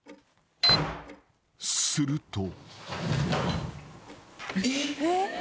［すると］